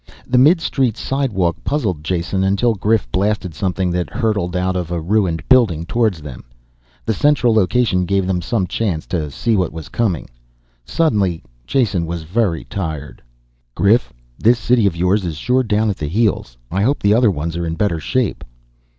The midstreet sidewalk puzzled Jason until Grif blasted something that hurtled out of a ruined building towards them. The central location gave them some chance to see what was coming. Suddenly Jason was very tired. "Grif, this city of yours is sure down at the heels. I hope the other ones are in better shape."